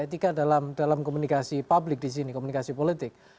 etika dalam komunikasi publik di sini komunikasi politik